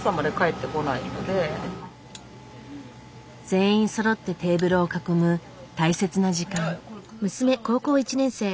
全員そろってテーブルを囲む大切な時間。